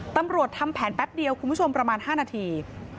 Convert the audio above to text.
ทำแผนแป๊บเดียวคุณผู้ชมประมาณ๕นาที